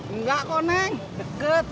enggak kok neng